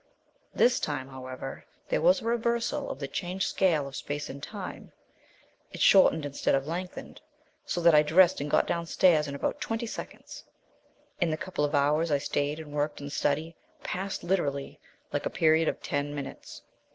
This time, however, there was a reversal of the changed scale of space and time; it shortened instead of lengthened, so that I dressed and got downstairs in about twenty seconds, and the couple of hours I stayed and worked in the study passed literally like a period of ten minutes."